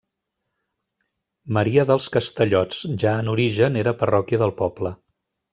Maria dels Castellots; ja en origen era parròquia del poble.